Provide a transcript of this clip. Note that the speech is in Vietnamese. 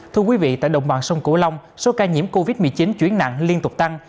thưa quý vị tại đồng bằng sông cửu long số ca nhiễm covid một mươi chín chuyển nặng liên tục tăng